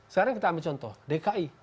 sekarang kita ambil contoh dki